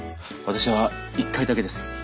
私は１回だけです。